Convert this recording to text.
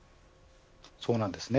そうなんですね。